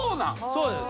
そうです。